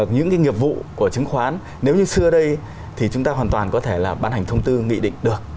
những cái nghiệp vụ của chứng khoán nếu như xưa đây thì chúng ta hoàn toàn có thể là bán hành thông tư nghị định được